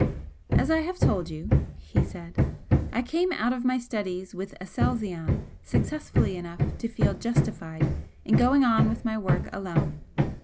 "As I have told you," he said "I came out of my studies with Aselzion successfully enough to feel justified in going on with my work alone.